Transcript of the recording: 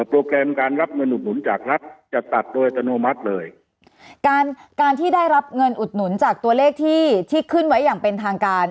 โปรแกรมการรับเงินอุดหนุนจากรัฐจะตัดโดยอัตโนมัติเลยการการที่ได้รับเงินอุดหนุนจากตัวเลขที่ที่ขึ้นไว้อย่างเป็นทางการ